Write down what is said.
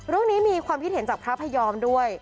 เรื่องนี้มีความคิดเห็นจากพระพยอมด้วย